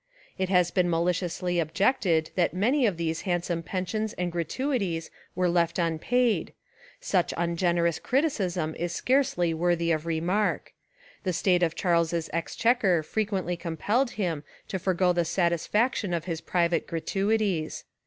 It has been maliciously objected that many of these handsome pensions and gratuities were left unpaid. Such an ungenerous criticism Is scarcely worthy of remark. The state of Charles's exchequer frequently compelled him to forego the satisfaction of his private gra tuities.